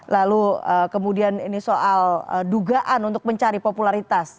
lalu kemudian ini soal dugaan untuk mencari popularitas